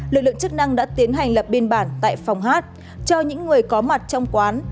lực lượng chức năng đã tiến hành lập biên bản tại phòng hát cho những người có mặt trong quán